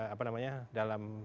apa namanya dalam